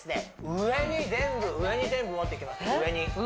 上に全部上に全部持っていきます上に上？